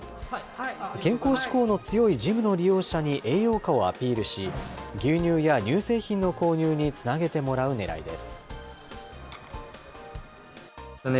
健康志向の強いジムの利用者に栄養価をアピールし、牛乳や乳製品の購入につなげてもらうねらいです。